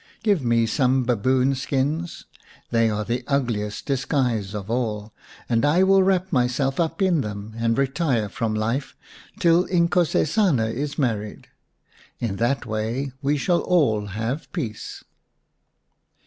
Give me some baboon skins. They are the ugliest disguise of all, and I will wrap myself up in them and retire from life till Inkosesana is married. In that way we shall all have peace."